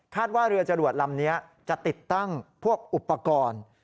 ว่าเรือจรวดลำนี้จะติดตั้งพวกอุปกรณ์